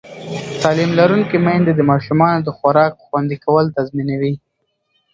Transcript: تعلیم لرونکې میندې د ماشومانو د خوراک خوندي کول تضمینوي.